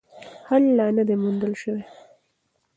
حل لا نه دی موندل سوی.